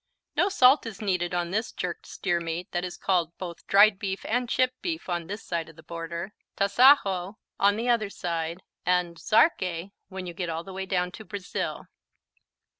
No salt is needed on this jerked steer meat that is called both dried beef and chipped beef on this side of the border, tasajo on the other side, and xarque when you get all the way down to Brazil.